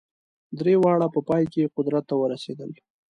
درې واړه په پای کې قدرت ته ورسېدل.